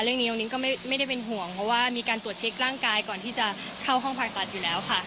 เรื่องนี้น้องนิ้งก็ไม่ได้เป็นห่วงเพราะว่ามีการตรวจเช็คร่างกายก่อนที่จะเข้าห้องผ่าตัดอยู่แล้วค่ะ